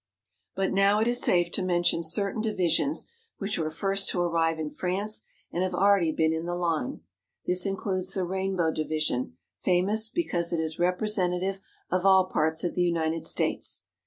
"But now it is safe to mention certain divisions which were first to arrive in France and have already been in the line. This includes the Rainbow Division, famous because it is representative of all parts of the United States.